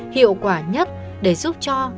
hiệu quả nhất để giúp cho